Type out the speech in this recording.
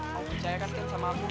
kamu percaya kan ken sama aku